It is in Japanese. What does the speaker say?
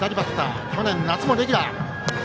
去年夏もレギュラー。